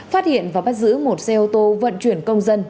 phát hiện và bắt giữ một xe ô tô vận chuyển công dân